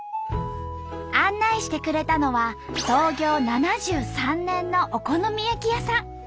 案内してくれたのは創業７３年のお好み焼き屋さん。